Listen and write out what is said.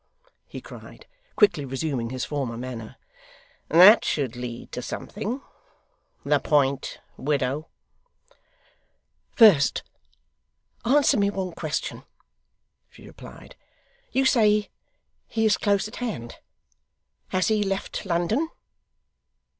he cried, quickly resuming his former manner. 'That should lead to something. The point, widow?' 'First answer me one question,' she replied. 'You say he is close at hand. Has he left London?